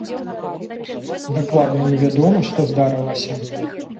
Дакладна не вядома, што здарылася.